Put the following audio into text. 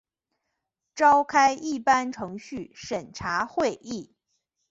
召开一般程序审查会议